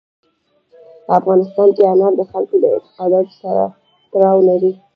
په افغانستان کې انار د خلکو د اعتقاداتو سره تړاو لري.